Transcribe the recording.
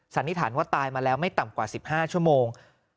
สันนิษฐานว่าตายมาแล้วไม่ต่ำกว่า๑๕ชั่วโมง